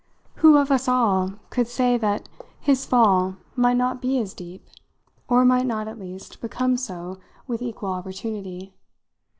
Who of us all could say that his fall might not be as deep? or might not at least become so with equal opportunity.